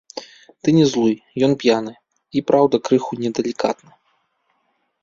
Ты не злуй, ён п'яны і, праўда, крыху недалікатны.